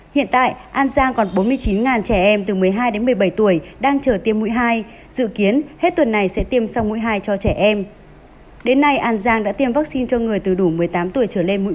hiện tại an giang còn bốn mươi chín trẻ em từ một mươi hai đến một mươi bảy tuổi đang chờ tiêm mũi hai dự kiến hết tuần này sẽ tiêm xong liều bổ sung và liều nhắc lại cho người từ một mươi tám tuổi trở lên